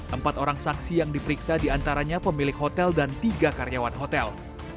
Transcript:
empat orang saksi yang diperiksa diantaranya pemilik hotel dan tiga karyawan hotel